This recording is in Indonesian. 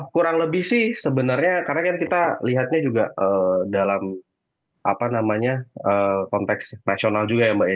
kurang lebih sih sebenarnya karena kan kita lihatnya juga dalam apa namanya konteks nasional juga ya mbak ya